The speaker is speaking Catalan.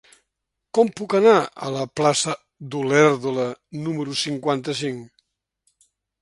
Com puc anar a la plaça d'Olèrdola número cinquanta-cinc?